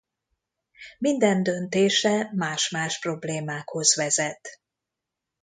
Minden döntése más-más problémákhoz vezet.